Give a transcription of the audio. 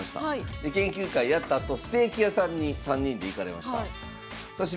で研究会やったあとステーキ屋さんに３人で行かれました。